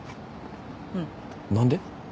うん。何で？